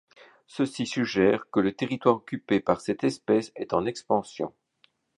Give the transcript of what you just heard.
Ceci suggère que le territoire occupé par cette espèce est en expansion.